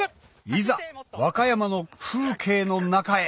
いざ和歌山の風景の中へ！